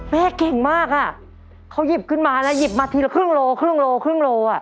เก่งมากอ่ะเขาหยิบขึ้นมานะหยิบมาทีละครึ่งโลครึ่งโลครึ่งโลอ่ะ